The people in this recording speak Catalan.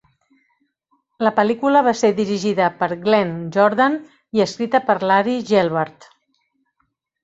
La pel·lícula va ser dirigida per Glenn Jordan i escrita per Larry Gelbart.